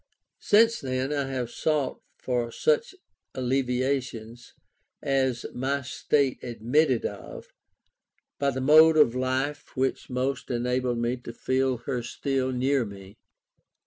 Since then I have sought for such allevation as my state admitted of, by the mode of life which most enabled me to feel her still near me.